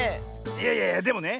いやいやいやでもね